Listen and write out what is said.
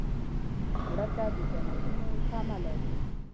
مړه ته د جنتونو تمه لرو